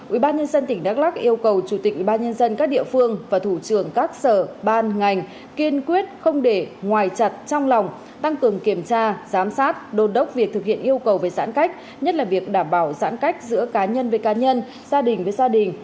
ubnd tỉnh đắk lắc yêu cầu chủ tịch ubnd các địa phương và thủ trưởng các sở ban ngành kiên quyết không để ngoài chặt trong lòng tăng cường kiểm tra giám sát đôn đốc việc thực hiện yêu cầu về giãn cách nhất là việc đảm bảo giãn cách giữa cá nhân với cá nhân gia đình với gia đình